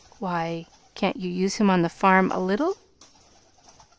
"Why, can't you use him on the farm a little?"